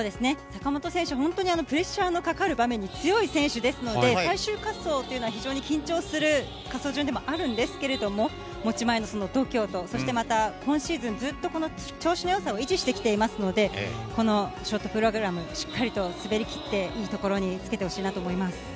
坂本選手、本当に、プレッシャーのかかる場面に強い選手ですので、最終滑走というのは、非常に緊張する滑走順でもあるんですけれども、持ち前の度胸と、そしてまた今シーズン、ずっとこの調子のよさを維持してきていますので、このショートプログラム、しっかりと滑りきって、いいところにつけてほしいなと思います。